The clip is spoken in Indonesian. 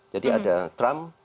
jadi ada trump